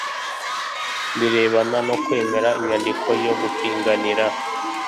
Birebana no kwemera inyandiko yo gupiganira